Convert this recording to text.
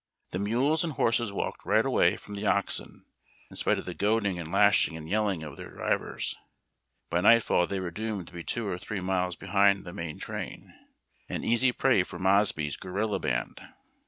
The mules and horses walked right away from the oxen, in spite of the goading and lashing and yelling of their drivers. By nightfall they were doomed to be two or three miles behind the main train — an easy prey for Mosby's guerilla band.